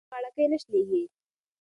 که تار وي نو غاړکۍ نه شلیږي.